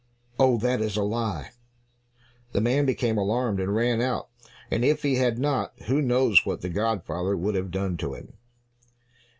"Oh, that is a lie!" The man became alarmed, and ran out, and if he had not, who knows what the godfather would have done to him.